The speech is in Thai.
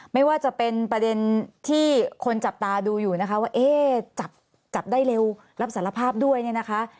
ไม่ว่าจะเป็นประเด็นที่คนจับตาดูอยู่นะคะว่าเอ๊ะจับได้เร็วรับสารภาพด้วยเนี่ยนะคะ